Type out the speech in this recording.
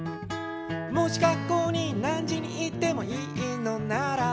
「もし学校に何時に行ってもいいのなら」